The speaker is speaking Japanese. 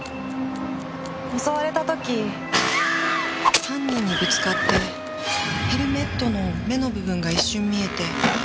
襲われた時犯人にぶつかってヘルメットの目の部分が一瞬見えて。